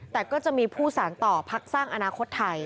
แต่ก็จะมีผู้สารต่อพักสร้างอนาคตไทย